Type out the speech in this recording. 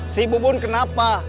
si bubun kenapa